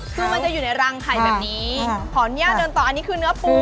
คือมันจะอยู่ในรังไข่แบบนี้ขออนุญาตเดินต่ออันนี้คือเนื้อปู